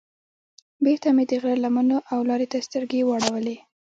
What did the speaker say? بېرته مې د غره لمنو او لارې ته سترګې واړولې.